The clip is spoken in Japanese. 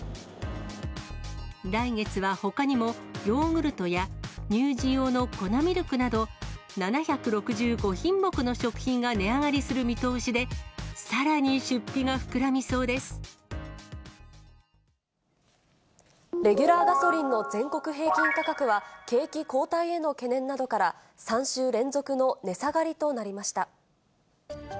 来月はほかにも、ヨーグルトや乳児用の粉ミルクなど、７６５品目の食品が値上がりする見通しで、レギュラーガソリンの全国平均価格は、景気後退への懸念などから、３週連続の値下がりとなりました。